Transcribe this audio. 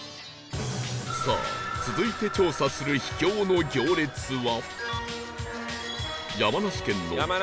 さあ続いて調査する秘境の行列は